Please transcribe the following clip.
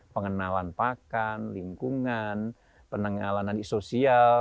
pengenalan pakan lingkungan penenggalan nanti sosial